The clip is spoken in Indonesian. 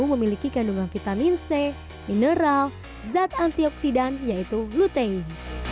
memiliki kandungan vitamin c mineral zat antioksidan yaitu lutein